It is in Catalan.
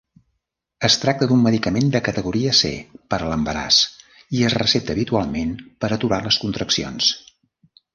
Es tracta d'un medicament de categoria C per a l'embaràs i es recepta habitualment per aturar les contraccions.